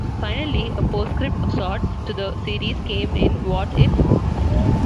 Finally, a postscript of sorts to the series came in What If...